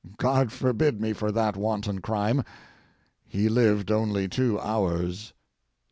God forgive me for that wanton crime; he lived only two hours.